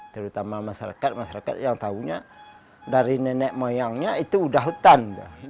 terutama masyarakat masyarakat yang tahunya dari nenek moyangnya itu udah hutan